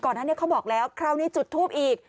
ก่อนหน้านี้เขาบอกแล้วคราวนี้จุดทูปอีก